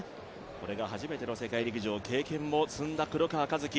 これが初めての世界陸上経験も積んだ黒川和樹